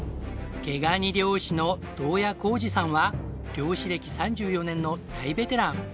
毛ガニ漁師の銅谷虎二さんは漁師歴３４年の大ベテラン。